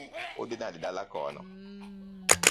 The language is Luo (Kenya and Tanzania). Udhi nade dala kono?